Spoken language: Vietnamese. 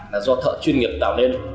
là do thợ chuyên nghiệp tạo nên